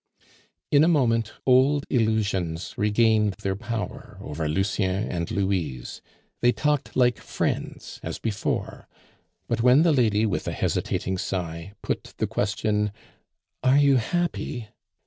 In a moment old illusions regained their power over Lucien and Louise; they talked like friends, as before; but when the lady, with a hesitating sigh, put the question, "Are you happy?"